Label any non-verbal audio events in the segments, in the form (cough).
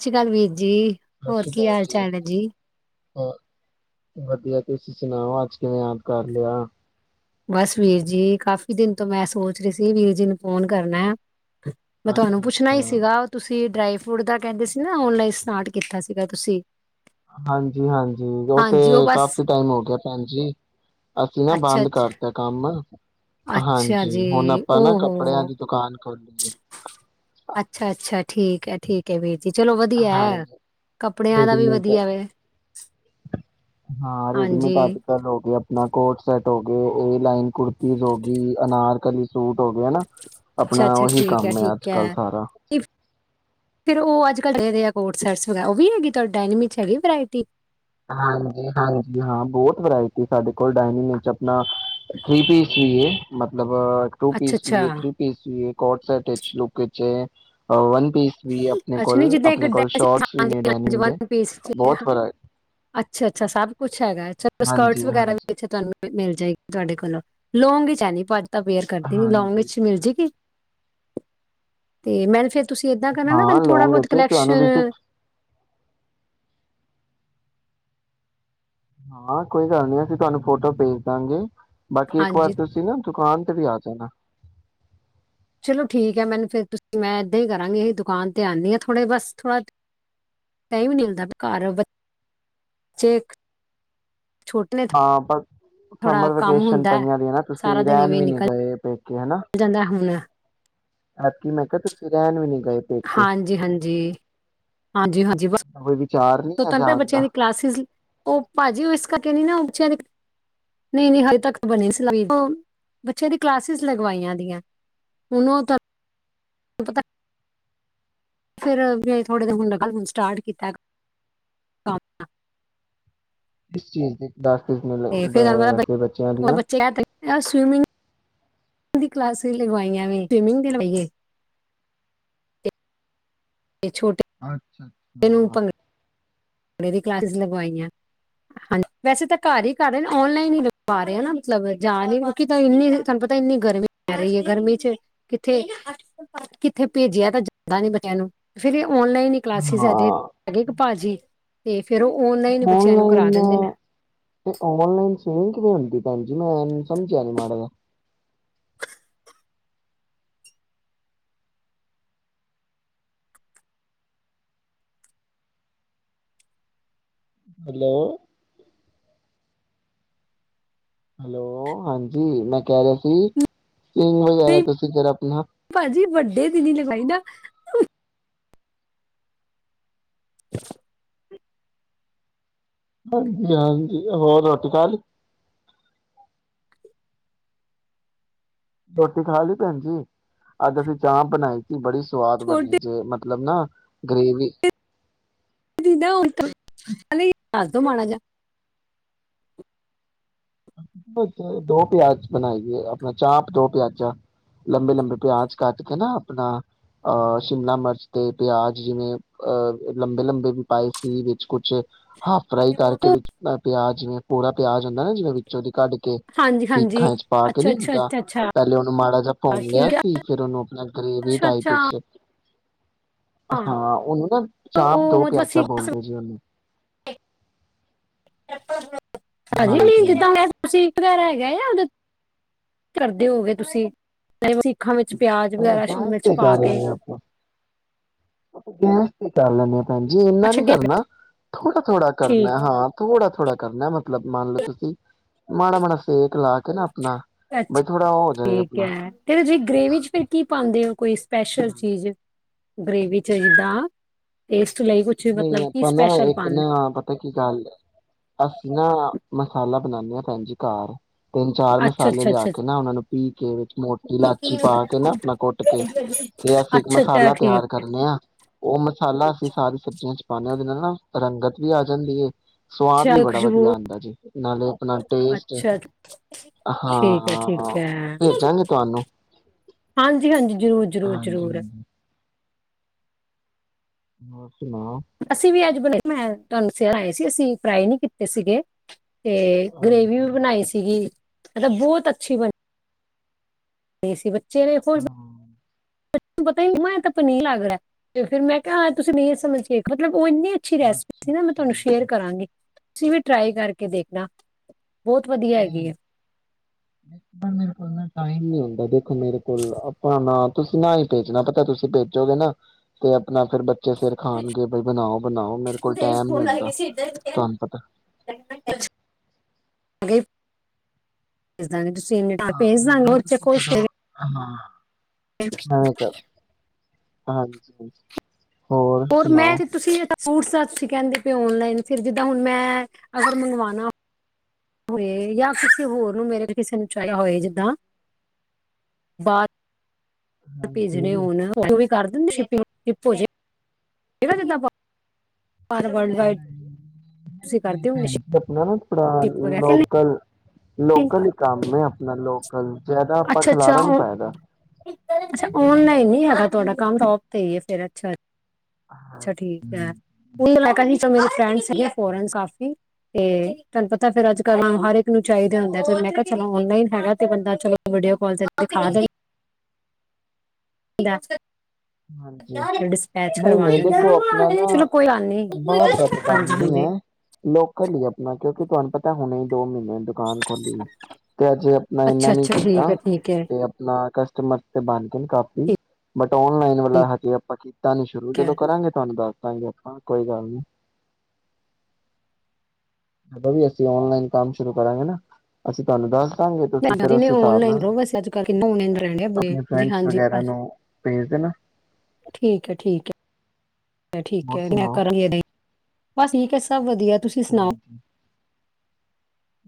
(inaudible) ਜੀ ਸਤਿ ਹੋਰ ਸ਼੍ਰੀ ਕੀ ਅਕਾਲ ਹਾਲ-ਚਾਲ ਹੈ ਜੀ? ਵਧੀਆ ਤੁਸੀਂ ਸੁਣਾਓ, ਅੱਜ ਕਿਵੇਂ ਯਾਦ ਕਰ ਲਿਆ ਬਸ, ਵੀਰ ਜੀ। ਕਾਫ਼ੀ ਦਿਨ ਤੋਂ ਮੈਂ ਸੋਚ ਰਹੀ ਸੀ ਵੀਰ ਜੀ ਨੂੰ ਫੋਨ ਕਰਨਾ ਮੈਂ ਤੁਹਾਨੂੰ ਅੱਛਾ ਪੁੱਛਣਾ ਹੀ ਅੱਛਾ। ਸੀਗਾ, ਤੁਸੀਂ? ਡਰਾਈ ਫਰੂਟ ਦਾ ਕਹਿੰਦੇ ਸੀ ਨਾ ਔਨਲਾਈਨ ਸਟਾਰਟ ਕੀਤਾ ਸੀਗਾ ਤੁਸੀਂ ਹਾਂਜੀ, ਹਾਂਜੀ। ਉਹ ਤੇ ਹਾਂਜੀ ਬਸ ਕਾਫੀ ਟਾਈਮ ਹੋ ਗਿਆ, ਭੈਣ ਜੀ ਅਸੀਂ ਨਾ ਅੱਛਾ ਬੰਦ ਅੱਛਾ ਕਰ ਕੰਮ। ਅੱਛਾ ਜੀ ਹਾਂਜੀ, ਹੁਣ ਆਪਾਂ ਨਾ ਓਹੋ ਕੱਪੜਿਆਂ ਦੀ ਦੁਕਾਨ ਅੱਛਾ ਅੱਛਾ (inaudible) ਠੀਕ ਹੈ, ਠੀਕ ਹੈ ਵੀਰ। ਜੀ ਚਲੋ ਵਧੀਆ ਹਾਂ, ਹੈ ਕੱਪੜਿਆਂ ਦਾ ਵੀ ਰੇਡੀਮੇਟ ਵਧੀਆ ਵੇ ਹਾਂ, ਰੇਡੀਮੇਟ। ਹਾਂਜੀ ਅੱਜ ਕੱਲ ਲੋਗੇ ਗ ਆਪਣਾ ਕੋਟ ਸੈਟ ਹੋ ਗਏ ਏ-ਲਾਈਨ ਕੁੁਰਤੀਜ਼, ਹੋ ਗਈ ਅਨਾਰ ਕਲੀ ਸੂਟ ਹੋ ਗਿਆ ਨਾ, ਅੱਛਾ ਆਪਣਾ ਅੱਛਾ ਉਹੀ ਠੀਕ ਹੈ ਕੰਮ ਆ ਠੀਕ ਅੱਜ ਕੱਲ ਹੈ ਸਾਰਾ ਚਲੇ ਦੇ ਆ, ਕੋਟ ਸੈਟ ਵੈਗੈਰਾ ਉਹ ਵੀ ਹੈਗੀ ਤੁਹਾਡੀ ਡਾਇਨਿੰਗ ਵਿੱਚ ਹੈਗੀ ਵਰਾਇਟੀ ਹਾਂਜੀ, ਹਾਂਜੀ ਹਾਂ, ਬਹੁਤ ਵਰਾਇਟੀ ਸਾਡੇ ਕੋਲ ਡਾਇਨਿੰਗ ਚ (inaudible) ਮਤਲਬ ਟੂ ਅੱਛਾ ਪੀਸ ਵੀ ਏ, ਅੱਛਾ ਥ੍ਰੀ ਪੀਸ ਵੀਏ। ਕੋਟ ਸੈਟ ਲੁੱਕ ਚ ਏ। ਉਹ ਪੀਸ ਵੀ ਆਪਣੇ ਅੱਛਾ ਕੋਲ ਨਹੀਂ ਜਿੱਦਾਂ ਇੱਕ ਆਪਣੇ ਕੋਲ ਡਰੈਸ ਸ਼ੋਰਟਸ ਵੀ ਨੇ ਹਾਂਜੀ ਹਾਂਜੀ ਡੈਨੀਮ ਦੇ ਵਨ ਪੀਸ ਚ ਬਹੁਤ ਹਾਂ, ਵਾਰਿਇਟੀ ਅੱਛਾ, ਅੱਛਾ। ਸਭ ਕੁਛ ਹੈਗਾ ਚਲੋ, ਸਕਰਟਸ ਹਾਂਜੀ ਵਗੈਰਾ ਹਾਂਜੀ ਵੇੇ ਤੁਹਾਨੂੰ ਮਿਲ ਜਾਏਗੀ ਤੁਹਾਡੇ ਕੋਲੋਂ। ਲੋਂਂਗ ਵਿਚ ਹੈ ਨੀ ਪਾਜੀ ਤਾਂ ਵੇਅਰ ਕਰਦੀ ਨੀ। ਲੌਂਗ ਹਾਂਜੀ ਵਿੱਚ ਮਿਲ ਜਾਏਗੀ ਤੇ ਮੈ ਨਾ, ਫੇਰ ਤੁਸੀਂ ਏਦਾਂ ਕਰਨਾ ਨਾ ਹਾਂ ਮੈਨੂੰ ਥੋੜਾ ਲੌਂਗ ਬਹੁਤ ਵਿੱਚ ਤੁਹਾਨੂੰ ਕਲੈਕਸ਼ਨ ਵਿਜਿਟ ਹਾਂ, ਕੋਈ ਗੱਲ ਨੀ ਅਸੀਂ ਤੁਹਾਨੂੰ ਫੋਟੋ ਭੇਜ ਦਾਗੇ। ਬਾਕੀ, ਇੱਕ ਵਾਰ ਹਾਂਜੀ ਤੁਸੀਂ ਨਾ ਦੁਕਾਨ ਵੀ ਆ ਜਾਣਾ ਚਲੋ ਠੀਕ ਹੈ। ਮੈਨੂੰ ਫਿਰ ਤੁਸੀਂ, ਮੈਂ ਏਦਾਂ ਹੀ ਕਰਾਂਗੀ। ਅਸੀਂ ਦੁਕਾਨ ਤੇ ਆਉਂਦੀ ਹਾਂ, ਥੋੜੇ ਬਸ ਥੋੜਾ ਟਾਈਮ ਨੀ ਮਿਲਦਾ ਪਿਆ-ਘਰ, ਬੱਚ ਹਾਂ, ਪਰ। ਥੋੜਾ ਸਮਰ ਕੰਮ ਵੈਕੇਸ਼ਨ ਹੁੰਦਾ ਹੈ, ਪਈਆਂ ਦੀ ਨਾ, ਸਾਰਾ ਤੁਸੀਂ ਦਿਨ ਰਹਿਣ ਇਵੇਂ ਹੀ ਵੀ ਨੀ ਨਿਕਲ ਗਏ ਪ ਜਾਂਦਾ ਹੁਣ ਆਪ ਕੀ ਮੈਂ ਕਿਹਾ ਤੁਸੀ ਰੈਨ ਵੀ ਨਹੀਂ ਹਾਂਜੀ ਹਾਂਜੀ ਹਾਂਜੀ ਹਾਂਜੀ ਬ ਕੋਈ ਵਿਚਾਰ ਨੀ ਹੈ ਤਹਨੂੰ ਜਾਣ ਦਾ ਬੱਚਿਆਂ ਦੀ ਕਲਾਸਿਸ ਉਹ ਭਾਜੀ ਉਹ ਇਸ ਕਰਕੇ ਨ ਨਾ ਬੱਚਿਆਂ ਦੀ ਨਹੀਂ ਨਹੀਂ ਹਜੇ ਤੱਕ ਬਣੀ ਸੀ ਲ ਬੱਚਿਆਂ ਦੀ ਕਲਾਸਿਸ ਲਗਵਾਈਆਂਆਂ ਹੁਣ ਉਹੂੰ ਪਤਾ ਫਿਰ ਵੀ ਥੋੜੇ ਦਿ ਹੁਣ ਨ ਹੁਣ ਸਟਾਰਟ ਕੀਤਾ ਕਿਸ ਚੀਜ਼ ਦੇ ਤੇ ਫਿਰਉਣ ਵਾਲਾ ਦੀਆਂ ਬੱਚੇ ਸਮਿੰਗ ਦੀ ਕਲਾਸਿਸ ਲਗਵਾਈਆਂ ਵੀ ਸਵਿਮਿੰਗ ਵੀ ਲਵਾਈਏ ਛੋਟ ਅੱਛਾ ਅੱਛਾ ਕੁੜੀ ਦੀ ਕਲਾਸਿਸ ਲਗਵਾਈਆਂ ਹਾਂਜੀ ਵੈਸੇ ਤਾਂ ਘਰ ਹੀ ਕਰ ਰਹੇ ਔਨਲਾਈਨ ਹੀ ਲਵਾ ਰਹੇ ਨਾ ਮਤਲਬ ਜਾ ਨੀ ਕਿਉਂਕਿ ਇਨੀ ਤੁਹਾਨੂੰ ਪਤਾ ਇੰਨੀ ਗਰਮੀ ਪੈ ਰਹੀ ਹੈ ਗਰਮੀ ਚ ਕਿੱਥੇ ਕਿੱਥੇ ਭੇਜਿਆ ਤਾਂ ਜ਼ਦਾ ਨੀ ਬੱਚਿਆਂ ਨੂੰ ਫਿਰ ਔਨਲਾਈਨ ਹੀ ਕਲਾਸਿਸ ਹੈਦੇ ਹਾਂ ਹੈਗੇ ਭਾਜੀ ਤੇ ਫੇਰ ਉਹ ਔਨਲਾਈਨ ਹੀ ਬੱਚਿਆਂ ਨੂੰ ਕਰਾ ਔਨਲਾਈਨ ਦਿੰਦੇ ਨੇ ਔਨਲਾਈਨ ਸਵਿਮਿੰਗ ਕਿਵੇ ਹੁੰਦੀ ਭੈਣ ਜੀ ਮੈਂ ਸਮਝਿਆ ਨੀ ਮਾੜਾ ਜੇਹਾ ਹੈਲੋ ਹੈਲੋ ਹਾਂਜੀ ਮੈਂ ਕਹਿ ਰਿਹਾ ਸੀ ਸਵਿਮਿੰਗ ਵਗੈਰਾ ਤੁਸੀ ਫੇਰ ਆਪਣਾ ਦੇੇ ਤਦੀਲੇਖਾਈਦਾ (inaudible) ਹਾਂਜੀ ਹਾਂਜੀ ਹੋਰ ਰੋਟੀ ਖਾ ਲਈ ਰੋਟੀ ਖਾ ਲਈ ਭੈਣ ਜੀ? ਅੱਜ ਅਸੀਂ ਚਾਹ ਬਣਾਈ। ਬੜੀ ਸਵਾਦ ਬਣੀ ਜੇ ਮ ਮਤਲਬ ਨਾ ਗ੍ਰੇਵੀ (inaudible) ਘਰ ਤੋਂ ਮਾੜਾ ਜਿਹਾ। ਦੋ ਪਿਆਜ ਬਣਾਈਏ ਆਪਣਾ ਚਾਪ ਦੋ ਪਿਆਜਾਂ ਲੰਬੇ-ਲੰਬੇ ਪਿਆਜ ਕੱਟ ਕੇ ਨਾ ਆਪਣਾ ਅਹ ਸ਼ਿਮਲਾ ਮਿਰਚ ਤੇ ਪਿਆਜ ਜਿਵੇਂ ਅਹ ਲੰਬੇ-ਲੰਬੇ ਵੀ ਪਾਏ ਸੀ ਵਿੱਚ ਕੁਛ ਹਾਫ ਫਰਾਈ ਕਰਕੇ ਵਿੱਚ ਪਿਆਜ ਜਿਵੇਂ ਪੂਰਾ ਪਿਆਜ ਹੁੰਦਾ ਨਾ ਜਿਵੇਂ ਵਿੱਚ ਚ ਕੱਢ ਹਾਂਜੀ ਹਾਂਜੀ ਸਿੱਖਾਂ ਵਿੱਚ ਪਾ ਕੇ ਅੱਛਾ ਨਹੀਂ ਅੱਛਾ ਹੁੰਦਾ ਅੱਛਾ ਅੱਛਾ ਪਹਿਲੇ ਉਹਨੂੰ ਮਾੜਾ ਜਿਹਾ ਭੁੰਨ ਲਿਆ ਠੀਕ ਹੈ ਸੀ ਫੇਰ ਉਹਨੂੰ ਆਪਣਾ ਗਰੇਵੀ ਅੱਛਾ ਟਾਈਪ ਅੱਛਾ ਵਿੱਚ ਹਾਂ ਉਹਨੂੰ ਨਾ ਚਾਪ ਉਹ ਦੋ ਮਤਲਬ ਪਿਆਜਾ ਅਸੀਂ ਬੋਲਦੇ ਜੀ ਉਹਨੂੰ। (unintelligible) (inaudible) ਹਾਂਜੀ ਕਿਦਾਂ (inaudible) ਤੁਸੀਂ ਵਗੈਰਾ ਹੈਗਾ ਆ। ਉਹ ਕਰਦੇ ਹੋ ਗਏ ਤੁਸੀਂ ਸਿੱਖਾਂ ਵਿੱਚ ਪਿਆਜ਼ (unintelligible) ਆਪਾਂ ਵਗੈਰਾ ਸ਼ਿਮਲਾ ਗੈਸ ਮਿਰਚ ਤੇ ਈ ਪਾ ਕੇ ਕਰ ਲੈਂਦੇ ਹਾਂਜੀ ਇੰਨਾ ਅੱਛਾ ਨਹੀਂ ਗ- ਕਰਨਾ। ਥੋੜਾ-ਥੋੜਾ ਕਰਨਾ ਐ। ਠੀਕ ਹਾਂ ਥੋੜਾ ਥੋੜਾ ਕਰਨਾ ਮਤਲਬ ਮੰਨ ਲਓ ਤੁਸੀਂ ਮਾੜਾ ਮਾੜਾ ਸੇਕ ਲਾ ਕੇ ਨਾ। ਆਪਣਾ ਅੱਛਾ ਬਈ ਥੋੜਾ ਉਹ ਹੋ ਜਾਏ ਠੀਕ ਆਪਣਾ ਐ ਫਿਰ ਨੇ ਗ੍ਰੇਵੀ ਚ ਫਿਰ ਕੀ ਪਾਉਂਦੇ ਓ? ਕੋਈ ਸਪੈਸ਼ਲ ਚੀਜ਼। ਗ੍ਰੇਵੀ ਚ ਜਿੱਦਾਂ ਟੇਸਟ ਲਈ ਕੁਛ ਮਤਲਬ ਨਹੀਂ ਕੀ ਆਪਾਂ ਨਾ ਸਪੈਸ਼ਲ ਇੱਕ ਪਾਉਂਦੇ ਨਾ ਪਤਾ ਕੀ ਗੱਲ ਅਸੀਂ ਨਾ ਮਸਾਲਾ ਬਣਾਉਂਦੇ ਆ ਭੈਣ ਜੀ ਘਰ। ਤਿੰਨ ਚਾਰ ਅੱਛਾ ਮਸਾਲੇ ਅੱਛਾ ਲਿਆ ਅੱਛਾ ਕੇ ਨਾ ਉਹਨਾ ਨੂੰ ਪੀ ਕੇ ਵਿੱਚ ਮੋਟੀ ਇਲਾਚੀ ਪਾ ਕੇ ਨਾ ਆਪਣਾ ਕੁੱਟ ਕੇ ਤੇ ਅਸੀਂ ਇੱਕ ਅੱਛਾ ਅੱਛਾ ਮਸਾਲਾ ਠੀਕ ਤਿਆਰ ਹੈ ਕਰਨੇ ਆ ਉਹ ਮਸਾਲਾ ਅਸੀਂ ਸਾਰੀ ਚ ਪਾਉਂਦੇ ਉਹਦੇ ਨਾਲ ਨਾ ਰੰਗਤ ਵੀ ਆ ਜਾਂਦੀ ਐ। ਸਵਾਦ ਵੀ ਅੱਛਾ ਬੜਾ ਵਧੀਆ ਖੁਸ਼ਬੂ ਆਉਂਦਾ ਜੀ। ਨਾਲੇ ਆਪਣਾ ਟੇਸਟ ਅੱਛਾ ਠੀਕ ਐ ਠੀਕ ਹਾਂ, ਐ। ਭੇਜਾਂਗੇ ਤੁਹਾਨੂੰ, ਹਾਂਜੀ-ਹਾਂਜੀ ਜ਼ਰੂਰ ਜ਼ਰੂਰ ਹਾਂਜੀ ਜ਼ਰੂਰ। ਹਾਂਜੀ, ਹੋਰ? ਨਾ। ਅਸੀਂ ਵੀ ਅੱਜ ਬਣਾਏ ਮੈਂ ਤੁਹਾਨੂੰ (unintelligible) ਸੀ ਅਸੀਂ ਫਰਾਏ ਨੀ ਕੀਤੇ ਸੀਗੇ। ਤੇ ਗਰੇਵੀ ਵੀ ਹਾਂਜੀ, ਬਣਾਈ ਸੀਗੀ। ਮਤਲਬ ਬਹੁਤ ਅੱਛੀ ਬਣੀ। ਦੇਸੀ ਬੱਚੇ ਚੇਰੇ ਫੋਲ ਹਾਂ, ਤੂੰ ਪਤਾ ਤਾਂ ਪਨੀਰ ਲੱਗ ਰਿਹਾ। ਤੇ ਫੇਰ ਮੈਂ ਕਿਹਾ ਹ ਤੁਸੀਂ ਨਹੀਂ ਇਹ ਸਮਝ ਕੇ ਮਤਲਬ ਉਹ ਇੰਨੀ ਅੱਛੀ ਰੈਸਪੀ ਸੀ ਨਾ ਮੈਂ ਅੱਛਾ-ਅੱਛਾ, ਤੁਹਾਨੂੰ ਸ਼ੇਅਰ ਕਰਾਂਗੀ। ਤੁਸੀਂ ਵੀ ਟਰਾਈ ਕਰਕੇ ਦੇਖਣਾ। ਬਹੁਤ ਵਧੀਆ ਹੈਗੀ ਨਹੀਂ ਹੈ (unintelligible) ਟਾਈਮ ਨੀ ਹੁੰਦਾ ਦੇਖੋ ਮੇਰੇ ਕੋਲ, ਆਪਣਾ ਨ ਤੁਸੀਂ ਨਾ ਹੀ ਭੇਜਣਾ ਪਤਾ ਤੁਸੀਂ ਭੇਜੋਗੇ ਨਾ, ਤੇ ਆਪਣਾ ਫਿਰ ਬ ਬੱਚੇ ਫਿਰ ਖਾਣਗੇ ਬਈ ਬਣਾਓ -ਬਣਾਓ ਮੇਰੇ ਕੋਲ ਫਿਰ ਟਾਈਮ ਨੀ ਫੋਨ ਲੱਗ ਹੁੰਦਾ। ਗਿਆ ਸੀ ਇੱਧਰ ਤੁਹਾਨੂੰ ਪਤਾ (unintelligible) ਹਾਂ, ਸਦਾ ਮਗਰੋਂ ਚੇ ਕੋ (unintelligible) ਹਵੇਕ (inaudible) ਹਾਂਜੀ। ਹੋਰ ਮੈਂ, ਤੁਸੀਂ ਫੂਟਸ ਅਂ ਕਹਿੰਦੇ ਅਨਲਾਈਨ ਫਿਰ ਜਿੱਦਾਂ ਹੁਣ, ਮੈਂ ਅਗਰ ਮੰਗਵਾਣਾ ਹੋਏ। ਜਾਂ ਕਿਸੇ ਹੋਰ ਨੂੰ ਮੇਰੇ ਕਿਸੇ ਨੂੰ ਚਾਹੀਦਾ ਹੋਏ ਜਿੱਦਾਂ, ਬਦ ਹਾਂਜੀ, ਭੇਜਣੇ ਨਹੀਂ ਹੋਣ ਵੀ ਕਰ (unintelligible) ਕਿ ਚ ਪਾ ਪਰ ਵਰਲ-ਡਵਾਾਈਡ, ਤੁਸੀਂ ਨਹੀਂ ਕਰਦੇ ਹੋ ਨਸ਼ ਭੈਣ ਜੀ, (unintelligible) ਲੋਕਲ ਲੋਕਲ ਹੀ ਕੰਮ ਹੈ ਆਪਣਾ ਲੋਕਲ ਜਿਆਦਾ ਆਪਾਂ ਅੱਛਾ ਅੱਛਾ ਖਿਲਾਰਾ ਨੀ ਉਹ ਪਏਦਾ। ਅੱਛਾ ਔਨਲਾਈਨ ਨੀ ਹੈਗਾ ਤੁਹਾਡਾ ਕੰਮ ਸੋਪ ਤੇ ਹੀ ਫਿਰ ਅੱਛਾ। ਅੱਛਾ ਠੀਕ ਹੈ। (unintelligible) ਮੇ ਫਰਡ ਸੀਗੇ ਫੋਨ ਕਾਫੀ ਤੇ ਤੁਹਾਨੂੰ ਪਤਾ ਫੇਰ ਅੱਜ ਕੱਲ ਹਰ ਇੱਕ ਨੂੰ ਚਾਹੀਦਾ ਹੁੰ ਤੇ ਮੈਂ ਕਿਹਾ -ਚਲੋ ਔਨਲਾਈਨ ਹੈਗਾ ਤੇ ਬੰਦਾ ਵਾਡੀਓ (unintelligible) ਕ ਦਿਖਾ। (unintelligible) ਹਾਂਜੀ। ਡਿਸਪੈਚ ਨਹੀਂ ਕਰਵਾ -ਨਹੀਂ ਦਿੰਦਾ ਦੇਖੋ ਆਪਣਾ ਨਾ, ਚਲੋ ਕੋਈ ਗੱਲ ਨੀ ਬਾਹਰ ਦਾ ਤਾਂ ਕੰਮ ਹਾਂਜੀ ਨਹੀ ਹਾਂਜੀ ਹੈ ਲੋਕਲ ਹੀ ਆਪਣਾ ਕਿਉਂਕਿ ਤੁਹਾਨੂੰ ਪਤਾ ਹੁਣੇ ਹੀ ਦੋ ਮਹੀਨੇ ਦੁਕਾਨ ਖੋਲੀ ਤੇ ਅਜੇ ਆਪਣਾ ਅੱਛਾ ਇਨਾ ਨੀ ਅੱਛਾ ਠੀਕ ਕੀਤਾ, ਹੈ ਠੀਕ ਹੈ ਤੇ ਆਪਣਾ ਕਸਟਮਰ ਤੇ ਬ ਕਾਪੀ, ਮਟਾਉਣ ਵਾਲਾ ਠੀਕ ਹਜੇ ਆਪਾਂ ਕੀਤਾ ਨੀ ਸ਼ੁਰੂ ਹੈ। ਜਦੋਂ ਕਰਾਂਗੇ ਤੁਹਾਨੂੰ ਦੱਸ ਦਾਂ ਕੋਈ ਗੱਲ ਨੀ। ਅਸੀਂ ਓਨਲਾਈਨ ਕੰਮ ਸ਼ੁਰੂ ਕਰਾਂਗੇ ਨਾ। ਅਸੀਂ ਤੁਹਾਨੂੰ ਦੱਸ ਦਾਂਗੇ ਤੁਸੀਂ ਫਿਰ ਹਨੇ ਉਸ ਹਿਸਾਬ ਓਨਲਾਈਨ ਨਾਲ ਰਹੋ ਬਸਿਆ ਅੱਜ ਓਨਲਾਈਨ ਰਹਿਣ ਡ ਆਪਣੇ ਬ ਫਰੈਂਡਸ ਹਾਂਜੀ, ਵਗੈਰਾ ਨੂੰ ਭੇਜ ਦੇਣਾ ਠੀਕ ਹੈ, ਠੀਕ ਹੈ। ਠੀਕ ਹੋਰ ਮੈਂ ਸੁਣਾਓ? ਕਰਾਂ ਬਸ ਠੀਕ ਹੈ ਸਭ ਵਧੀਆ ਤੁਸੀਂ ਸੁਣਾਓ? (unintelligible)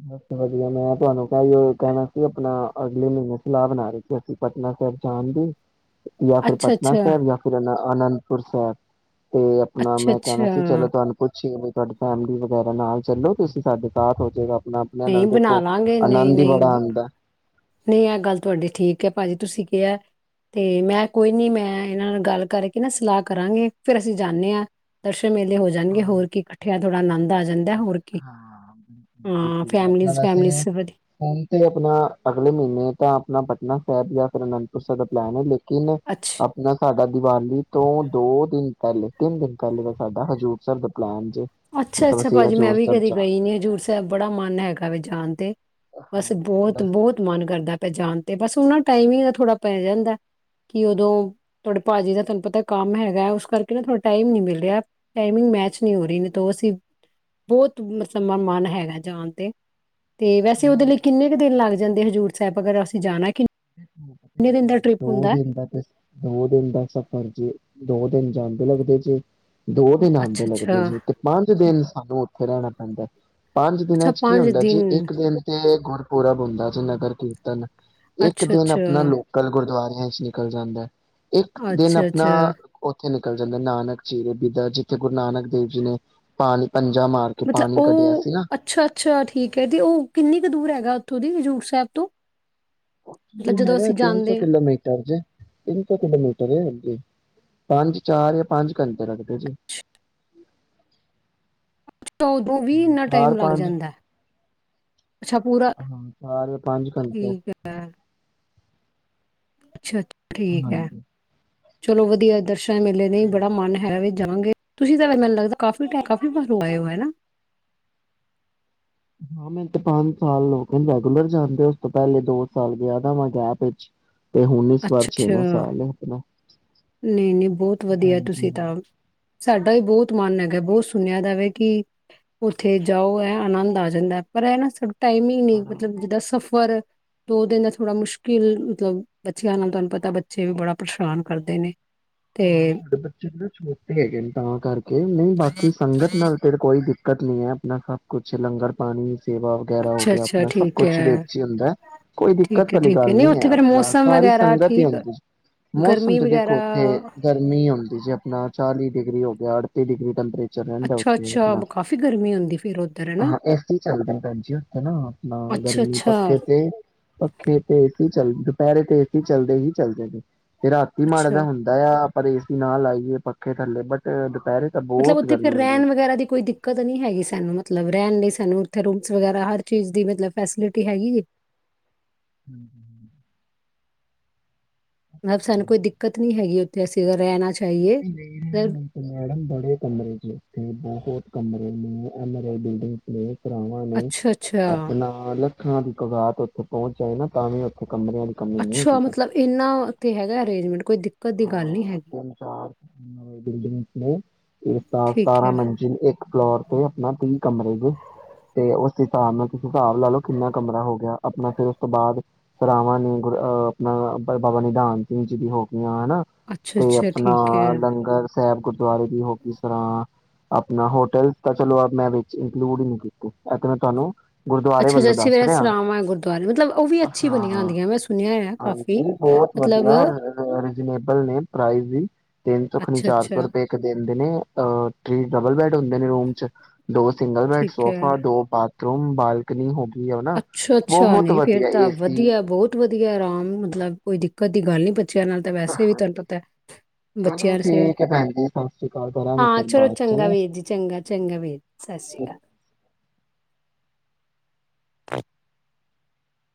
ਬਸ ਵਧੀਆ ਮੈਂ ਤੁਹਾਨੂੰ ਚੇ ਉਹ ਕਹਿ ਸੀ ਆਪਣਾ ਅਗਲੇ ਮਹੀਨੇ ਸਲਾਹ ਬਣਾ ਰਹੇ ਅਸੀਂ ਪਟਨਾ ਸਾਹਿਬ ਜਾਣ ਦੀ ਜਾਂ ਫਿਰ ਅੱਛਾ, ਪਟਨਾ ਅੱਛਾ, ਸ਼ਹਿਰ ਜਾਂ ਫਿਰ ਇਹ ਅਨੰਦਪੁਰ ਸਾਹਿਬ ਤੇ ਆਪਣਾ ਅੱਛਾ, ਮੈਂ ਕਹਿਣਾ ਅੱਛਾ, ਸੀ ਚਲੋ ਤੁਹਾਨੂੰ ਪੁੱਛੀ ਤੁਹਾਡੀ ਫੈਮਿਲੀ ਵਗੈਰਾ ਨਾਲ ਚਲੋ ਤੁਸੀਂ ਸਾਡੇ ਸਠ ਹੋਜੇਗਾ ਆਪਣਾ ਆਪਣਿਆਂ ਨਹੀਂ ਨਾਲ ਬਣਾ ਦੇਖੋ ਲਾਂਗੇ ਨਹੀਂ, ਆਨੰਦ ਹੀ ਨਹੀਂ, ਬੜਾ ਆਉਂਦਾ ਨਹੀਂ ਆ ਗੱਲ ਤੁਹਾਡੀ ਠੀਕ ਹੈ ਭਾਜੀ ਤੁਸੀਂ ਕਿਹਾ ਹੈ ਤੇ ਮੈਂ ਕੋਈ ਨੀ ਮੈਂ ਇਹਨਾਂ ਨਾਲ ਗੱਲ ਕਰਕੇ ਨਾ ਸਲਾਹ ਕਰਾਂਗੇ ਫੇਿਰ ਅਸੀਂ ਜਾਂਦੇ ਹਾਂ ਦਰ ਮੇਲੇ ਹੋ ਜਾਣਗੇ ਹਾਂ, ਹੋਰ ਕੀ ਇਕੱਠੇ ਥੋੜਾ ਆਨੰਦ ਆ ਜਾਂਦਾ ਹੋਰ ਅਤੇ- ਕੀ ਹਾਂ। ਬਿਲਕੁਲ ਹਾਂ ਬਿਲਕੁਲ। ਫੈਮਲੀ ਮਤਲਬ ਫੈਮ ਵੈਸੇ ਵਧਆ ਹੁਣ ਤੇ ਆਪਣਾ ਅਗਲੇ ਮਹੀਨੇ ਤਾਂ ਆਪਣਾ ਪਟਨਾ ਸਾਹਿਬ ਜਾ ਕਰਨ ਉਸ ਦਾ ਪਲੈਨ ਹੈ ਲੇਕਿਨ ਅੱਛਾ, ਆਪਣਾ ਸਾਡਾ ਦੀਵਾਲੀ ਤੋਂ ਦੋ- ਦਿਨ ਪਹਿਲੇ ਤਿੰਨ- ਦਿਨ ਪਹਿਲੇ ਦਾ ਸਾਡਾ ਹਜ਼ੂੂਰ ਸਰ ਦਾ ਪਲੈਨ ਜੇ ਅੱਛਾ, ਮਤਲਬ ਅੱਛਾ ਅਸੀਂ ਭਾਜੀ ਮੈਂ ਹਜ਼ੂਰ ਵੀ ਸਾਹਿਬ ਕਦੇ ਗਈ ਜਾਣਾ। ਨੀ ਹਜ਼ੂਰ ਸਾਹਿਬ ਬੜਾ ਮਨ ਹੈਗਾ ਵ ਜਾਣ ਤੇ ਬਸ, ਹਾਂ ਤੇ ਬਹੁਤ, ਬਸ ਬਹੁਤ ਮਨ ਕਰਦਾ ਪ ਜਾਣ ਤੇ ਬਸ ਉਹਨਾਂ ਟਾਈਮਿੰਗ ਦਾ ਥੋੜਾ ਪੈ ਜਾਂਦਾ ਕਿ ਉਦੋਂ ਤੁਹਾਡੇ ਭਾਜੀ ਦਾ ਤੁਹਾਨੂੰ ਪਤਾ ਕੰਮ ਹੈਗਾ, ਉਸ ਕਰਕੇ ਨਾ ਥੋੜਾ ਟਾਈਮ ਨੀ ਮਿਲ ਰਿਹਾ, ਟਾਈਮਿੰਗ ਮੈਚ ਨੀ ਹੋ ਰਹੀ ਤੋਂ ਅਸੀਂ, ਬਹੁਤ ਮਤਲਬ ਮਨ ਹੈਗਾ ਜਾਣ ਤੇ ਤੇ ਵੈਸੇ ਉਹਦੇ ਲਈ ਕਿੰਨੇ ਕੁ ਦਿਨ ਲੱਗਦੇ ਜਾਂਦੇ ਹਜ਼ੂਰ ਸਾਹਿਬ ਅਗਰ ਅਸੀਂ ਜਾਣਾ ਕਿੰਨੇ ਦਿਨ ਦਾ ਟ੍ਰਿਪ ਦੋ- ਹੁੰਦਾ ਹੈ? ਦਿਨ ਦਾ ਦੋ- ਦਿਨ ਦਾ ਸਫ਼ਰ ਜੇ ਦੋ ਦਿਨ ਜਾਂਦੇ ਲੱਗਦੇ ਜੇ ਦੋ- ਦਿਨ ਆਉਂਦੇ ਅੱਛਾ ਲੱਗਦੇ ਅੱਛਾ ਜੀ ਤੇ ਪੰਜ- ਦਿਨ ਸਾਨੂੰ ਉੱਥੇ ਰਹਿਣਾ ਪੈਂਦਾ, ਪੰਜ- ਦਿਨਾਂ ਅੱਛਾ ਚ ਕੀ ਹੁੰਦਾ ਦਿਨ ਜੀ ਇੱਕ ਦਿਨ ਤੇ ਗੁਰਪੁਰਬ ਹੁੰਦਾ ਜੇ ਨਗਰ ਕੀਰਤਨ ਇੱਕ ਅੱਛਾ ਦਿਨ ਅੱਛਾ ਆਪਣਾ ਲੋਕਲ ਗੁਰਦੁਆਰੇ ਚ ਨਿਕਲ ਜਾਂਦਾ ਇੱਕ ਦਿਨ ਅੱਛਾ ਆਪਣਾ ਅੱਛਾ ਉੱਥੇ ਨਿਕ ਨਿਕਲ ਜਾਂਦਾ, ਨਾਨਕ ਜੀਰੇ, ਬੀਦਾ ਜਿੱਥੇ ਗੁਰੂ ਨਾਨਕ ਦੇਵ ਜੀ ਨੇ ਪਾਣੀ ਪੰਜਾ ਮਾਰ ਕੇ ਮਤਲਬ ਪਾਣੀ ਕੱਢਿਆ ਉਹ ਸੀ ਨਾ ਅੱਛਾ, ਅੱਛਾ ਠੀਕ ਹੈ, ਤੇ ਉਹ ਕਿੰਨੀ ਕੁ ਦੂਰ ਹੈਗਾ। ੱਥੋਂ ਦੀ ਹਜ਼ੂਰ ਸਾਹਿਬ ਤੋਂ ਮਤਲਬ ਇਹ ਜਦੋਂ ਹੈਗਾ ਅਸੀਂ ਤਿੰਨ-ਸੌ ਜਾਂਦੇ ਕਿਲੋਮੀਟਰ ਜੇ, ਤਿੰਨ-ਸੌ ਕਿਲੋਮੀਟਰ‌ ਏ ਅੱਗੇ। ਪੰਜ-ਚਾਰ ਜਾਂ ਪੰਜ ਘੰਟੇ ਲੱਗਦੇ ਜੇ। ਉਦੋਂ ਵੀ ਇੰਨਾ ਟਾਈਮ ਲੱਗ ਜਾਂਦੈ। ਹਾਂ ਚਾਰ ਜਾਂ ਪੰਜ ਘੰਟੇ ਠੀਕ ਹੈ ਅੱਛਾ। ਠੀਕ ਹੈ ਹਾਂਜੀ। ਚਲੋ ਵਧੀਆ ਦਰਸ਼ ਨੀ ਮਿਲੇ ਨੇ, ਈ ਬੜਾ ਮਨ ਹੈਗਾ ਵਈ ਜਾਵਾਂਗੇ। ਤੁਸੀਂ ਤਾਂ ਮੈਨੂੰ ਲੱਗਦਾ ਕਾਫੀ ਟ, ਕਾਫੀ ਵਾਰ ਹੋ ਆਏ ਓ ਹੈਨਾ? ਹਾਂ ਮੈਨੂੰ ਤੇ ਪੰਜ ਸਾਲ ਹੋ ਗਏ ਰੈਗੂਲਰ ਜਾਂਦੇ, ਉਸ ਤੋਂ ਪਹਿਲੇ ਦੋ ਸਾਲ ਗਿਆ ਦਾ ਵਾ ਗੈਪ ਚ ਅੱਛਾ ਅੱਛਾ, ਨਈ ਨਈ ਬਹੁਤ ਵਧੀਆ, ਹਾਂਜੀ ਤੁਸੀਂ ਹਾਂਜੀ ਤਾਂ ਸਾਡਾ ਵੀ ਬਹੁਤ ਮਨ ਹੈਗਾ। ਬਹੁਤ ਸੁਣਿਆ ਦਾ ਵੇ ਕਿ ਉੱਥੇ ਜਾਓ ਐ ਆਨੰਦ ਆ ਜਾਂਦਾ। ਪਰ ਇਹ ਨਾ ਸ ਟਾਈਮਿੰਗ ਨੀ, ਬੜਾ ਮਤਲਬ ਜਿੱਦਾਂ ਸਫ਼ ਫਰ, ਦੋ ਦਿਨ ਥੋੜਾ ਮੁਸ਼ਕਿਲ ਮਤਲਬ ਬੱਚਿਆਂ ਨਾਲ, ਤੁਹਾਨੂੰ ਪਤਾ ਬੱਚੇ ਵੀ ਬੜਾ ਪਰੇਸ਼ਾਨ ਕਰਦੇ ਨੇ। ਤੇ ਹਾਂ ਤੁਹਾਡੇ ਬੱਚੇ ਥੋੜੇ ਛੋਟੇ ਹੈਗੇ ਨੇ ਤਾਂ ਕਰਕੇ, ਨਈ ਬਾਕੀ ਸੰਗਤ ਨਾਲ ਤੇਰੇ ਕੋਈ ਦਿੱ ਕਤ ਨਈ ਐ, ਆਪਣਾ ਸਭ ਕੁਛ ਲੰਗਰ ਪਾਣੀ ਸੇਵਾ ਵਗੈਰਾ ਹੋ ਅੱਛਾ ਗਿਆ, ਅੱਛਾ ਆਪਣਾ ਸਭ ਠੀਕ ਕੁਛ ਹੈ ਵਿੱਚ ਈ ਹੁੰਦਾ। ਕੋਈ ਦਿੱਕਤ ਠੀਕ ਹੈ ਵਾਲੀ ਠੀਕ ਹੈ ਗੱਲ ਨਹੀਂ ਨੀ ਐ, ਉੱਥੇ ਫੇਰ ਆਪਣਾ ਮੌਸਮ ਸਾਰੀ ਵਗੈਰਾ ਸੰਗਤ ਈ ਠੀਕ ਹੁੰਦੀ। ਮੌਸਮ ਗਰਮੀ ਤੇ ਵਗੈਰਾ ਦੇਖੋ ਤੇ ਗਰਮੀ ਹੁੰਦੀ ਜੀ ਆਪਣਾ ਚਾਲੀ ਡਿਗਰੀ ਹੋ ਗਿਆ, ਅੱਠਤੀ ਡਿਗਰੀ ਟੈਂਪਰੇ ਚਰ ਰਹਿੰਦਾ ਅੱਛਾ ਉੱਥੇ ਅੱਛਾ ਆਪਣਾ। ਕਾਫ਼ੀ ਗਰਮੀ ਹੁੰਦੀ ਫਿਰ ਉੱਧਰ ਹਨਾ ਹਾਂ, ਏਸੀ ਚੱਲਦਾ ਭੈਣ ਜੀ ਉੱਥੇ ਨਾ ਆਪਣਾ ਅੱਛਾ ਗਰਮੀ ਅੱਛਾ ਪੱਖੇ ਤੇ, ਪੱਖੇ ਤੇ ਏਸੀ ਚੱਲਦੇ। ਦੁਪਹਿਰੇ ਤੇ ਏਸੀ ਚੱਲਦੇ ਹੀ ਚੱਲਦੇ ਨੇ। ਤੇ ਰਾਤੀ ਮਾੜਾ ਜਾ ਅੱਛਾ ਹੁੰ ਦਾ, ਪਰ ਏਸੀ ਨਾ ਲਾਈਏ ਪੱਖੇ ਥੱਲੇ ਬਟ ਦੁਪਹਿਰੇ ਤਾਂ ਮਤਲਬ ਬਹੁਤ ਉੱਥੇ ਫੇਰ ਗਰਮੀ ਹੁੰਦੀ ਹੈ। ਰਹਿਣ ਵਗੈਰਾ ਦੀ ਕੋਈ ਦਿੱਕਤ ਨੀ ਹੈਗੀ ਸਾਨੂੰ, ਮਤਲਬ ਰਹਿਣ ਲਈ ਸ ਨੂੰ ਉਥੇ ਰੂਮਸ ਵਗੈਰਾ, ਹਰ ਚੀਜ਼ ਦੀ ਮਤਲਬ ਫੈਸਿਲਿਟੀ ਹੈਗੀ ਜੇ? ਹੂੰ। ਮਤਲਬ ਸਾਨੂੰ ਕੋਈ ਦਿੱਕਤ ਨੀ ਹੈਗੀ ਉੱ ਤੇ ਅਸੀ ਜੇ ਰਹਿਣਾ ਚ ਨਈ ਨਈ, ਮੈਡਮ ਬੜੇ ਕਮਰੇ ਜੇ ਉਥੇ, ਬਹੁਤ ਕਮ ਰੇ, ਉਹਨਾਂ ਦਾ ਈ ਬਿਲਡੀਗ ਪਲੇ ਰਾਵਾਂ ਨੇ, ਅੱਛਾ ਅੱਛਾ ਆਪਣਾ ਲੱਖਾਂ ਦੀ ਕਗਾਤ ਉੱਥੇ ਪਹੁੰਚ ਜਾਂਦੇ ਨਾ ਤਾਂ ਵੀ ਉੱਥੇ ਕਮਰਿਆਂ ਦੀ ਕਮੀ ਨਹੀਂ ਅੱਛਾ, ਹੁੰਦੀ ਤਾਂ। ਮਤਲਬ ਇਹਨਾਂ ਤੇ ਹੈਗਾ ਅਰੇਂਜਮੈਂਟ? ਕੋਈ ਦਿੱਕਤ। ਦੀ ਗੱਲ ਨਹੀਂ ਹਾਂ ਹੈਗੀ ਤਿੰਨ ਚਾਰ ਬਿਲਡਿੰਗ ਨੇ ਇੱਕ ਸਤਾਰਾਂ ਮੰਜ਼ਲੀ ਹੈ। ਇੱਕ ਫਲੋਰ ਤੇ ਆਪਣਾ ਤਿੰਨ ਕਮਰੇ ਨੇ ਤੇ ਉਸ ਹਿਸਾਬ ਨਾਲ ਹਿਸਾਬ ਨਾਲ ਤੁਸੀਂ ਹਿਸਾਬ ਲਾ ਲਓ ਕਿੰਨਾ ਕਮਰਾ ਹੋ ਗਿਆ ਆਪਣਾ ਫਿਰ ਉਸ ਤੋਂ ਬਾਅਦ ਸਰਾਵਾਂ ਨੇ ਆਪਣਾ ਬਾਬਾ ਨਿਧਾਨ ਸਿੰਘ ਜੀ ਦੀ ਹੋ ਹਨਾ ਅੱਛਾ ਤੇ ਅੱਛਾ ਆਪਣਾ ਠੀਕ ਹੈ ਲੰਗਰ ਸਾਹਿਬ ਗੁਰ। ਗੁਰਦੁਆਰੇ ਵੀ ਹੋ ਗਈ ਸਰਾਂ ਆਪਣਾ ਹੋਟਲ ਤਾਂ ਚਲੋ ਮੈਂ ਵਿੱਚ ਇੰਕਲੂਡ ਹੀ ਨਹੀਂ ਕੀਤੀ ਮੈਂ ਤੁਹਾਨੂੰ। ਗੁਰਦੁਆਰੇ ਅੱਛਾ ਵੱਲੋਂ ਦੱਸ ਅੱਛਾ ਰਿਹਾ ਸਰਾਵਾਂ ਹੈ ਗੁਰਦੁਆਰੇ ਉਹ ਵੀ ਅੱਛੀ ਬਣੀ ਹਾਂ ਹੁੰਦੀ ਮੈਂ ਸੁਣਿਆ ਆ ਕਾਫੀ ਮਤਲਬ ਰਜਨੇਪਲ ਪਰਾਜ ਵੀ ਤਿੰਨ ਸੋ ਅੱਛਾ ਚਾਰ ਸੌ ਅੱਛਾ ਰੁਪਏ ਇੱਕ ਦਿਨ ਦੇ ਡਬਲ ਬੈਡ ਹੁੰਦੇ ਨੇ ਰੂਮ ਚ ਦੋ ਸਿੰਗਲ ਬੈਡ ਠੀਕ ਹੈ ਸੋਫਾ ਦੋ। ਬਾਥਰੂਮ ਬਾਲਕਨੀ ਹੋ ਗਈ। ਹੈ ਨਾ ਅੱਛਾ ਅੱਛਾ ਬਹੁਤ ਨਹੀਂ ਫਿਰ ਵਧੀਆ ਤਾਂ ਏਸੀ ਵਧੀਆ ਬਹੁਤ ਵਧੀਆ ਆਰਾਮ ਮਤਲਬ ਕੋਈ ਦਿੱਕਤ ਦੀ ਗੱਲ ਨਹੀਂ। ਬੱਚਿਆਂ ਨਾਲ ਤਾਂ ਵੈਸੇ ਵੀ ਹਾਂਜੀ ਤੁਹਾਨੂੰ ਪਤਾ ਚਲੋ ਬੱਚਿਆਂ ਸਿਰ ਠੀਕ ਹੈ ਭੈਣ ਜੀ ਸਤਿ ਸ੍ਰੀ ਅਕਾਲ ਕਰਾਂਗੇ ਹਾਂ ਚਲੋ ਹਾਂ ਫਿਰ ਚਲੋ ਬਾਅਦ ਚੰਗਾ ਚ ਵੀਰ ਜੀ ਚੰਗਾ ਚੰਗਾ ਵੀਰ ਸਤਿ ਸ਼੍ਰੀ ਅਕਾਲ